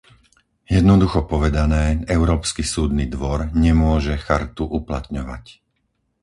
Jednoducho povedané, Európsky súdny dvor nemôže Chartu uplatňovať.